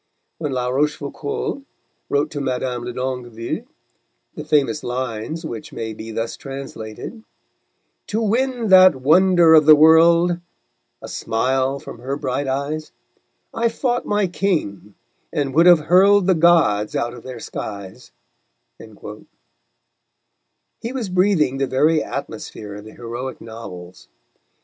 When La Rochefoucauld wrote to Madame de Longueville the famous lines which may be thus translated: _To win that wonder of the world, A smile from her bright eyes, I fought my King, and would have hurled The gods out of their skies_, he was breathing the very atmosphere of the heroic novels.